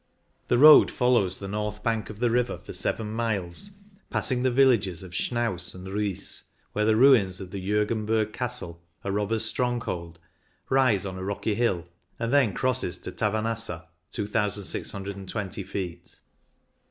The road follows the north bank of the river for seven miles, passing the villages of Schnaus and Ruis, where the ruins of the JOrgenberg Castle, a robbers' stronghold, rise on a rocky hill, and then crosses to Tavanasa (2,620 ft.).